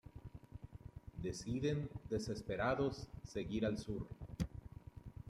Deciden, desesperados, seguir al sur.